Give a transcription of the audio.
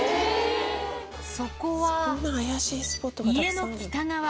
そこは、家の北側。